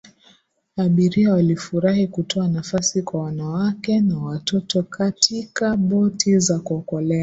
abiria walifurahi kutoa nafasi kwa wanawake na watoto katika boti za kuokolea